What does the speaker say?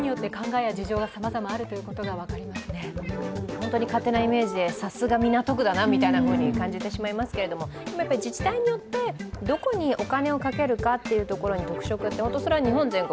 本当に勝手なイメージで、さすが港区だなと感じてしまいますけれども、自治体によって、どこにお金をかけるかというところに特色、それは日本全国